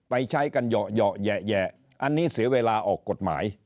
ใช้กันเหยาะแยะอันนี้เสียเวลาออกกฎหมาย